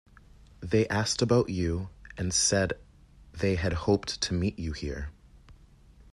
They asked about you and said they had hoped to meet you here.